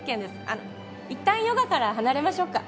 あの一旦ヨガから離れましょうか？